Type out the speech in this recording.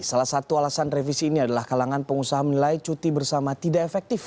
salah satu alasan revisi ini adalah kalangan pengusaha menilai cuti bersama tidak efektif